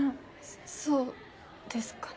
そうですかね。